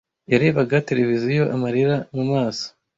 Yarebaga televiziyo amarira mu maso.